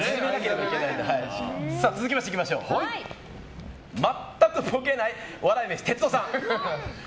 続きまして、まったくボケない笑い飯・哲夫さん。